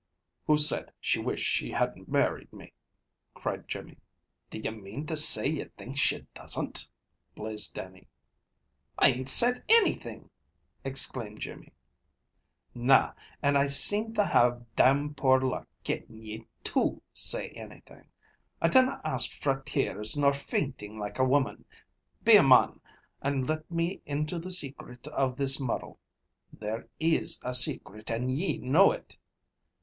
"Who said she wished she hadn't married me?" cried Jimmy. "Do ye mean to say ye think she doesn't?" blazed Dannie. "I ain't said anything!" exclaimed Jimmy. "Na, and I seem to have damn poor luck gettin' ye TO say anything. I dinna ask fra tears, nor faintin' like a woman. Be a mon, and let me into the secret of this muddle. There is a secret, and ye know it.